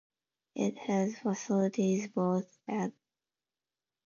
It has facilities both at the university's North Campus and Frederiksberg Campus.